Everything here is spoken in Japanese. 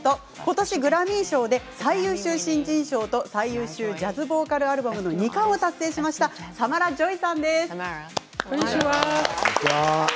ゲストは今年グラミー賞で最優秀新人賞と最優秀ジャズ・ヴォーカル・アルバムの２冠を達成したサマラ・ジョイさんです。